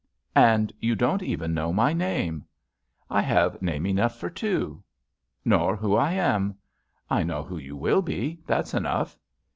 *And you don't know even my namel" *I have name enough for two." '*Nor who I am." '*I know who you will be. That's enough."